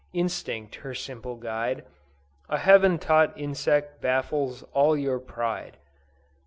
Instinct her simple guide, A heaven taught Insect baffles all your pride.